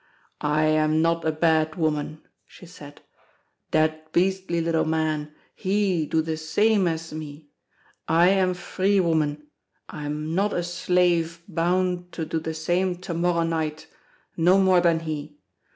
"I am not a bad woman," she said: "Dat beastly little man, he do the same as me—I am free woman, I am not a slave bound to do the same to morrow night, no more than he.